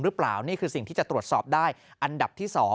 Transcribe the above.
นี่คือสิ่งที่จะตรวจสอบได้อันดับที่๒